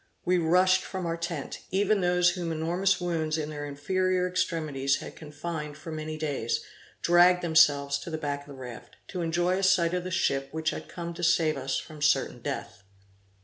We rushed from our tent; even those whom enormous wounds in their inferior extremities had confined for many days, dragged themselves to the back of the raft, to enjoy a sight of the ship which had come to save us from certain death.